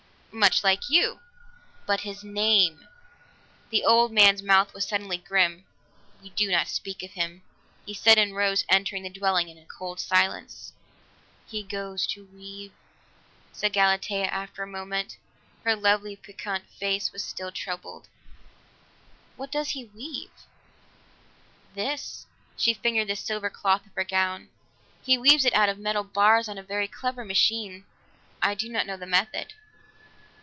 "Much like you." "But his name?" The old man's mouth was suddenly grim. "We do not speak of him," he said and rose, entering the dwelling in cold silence. "He goes to weave," said Galatea after a moment. Her lovely, piquant face was still troubled. "What does he weave?" "This," She fingered the silver cloth of her gown. "He weaves it out of metal bars on a very clever machine. I do not know the method."